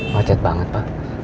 wajat banget pak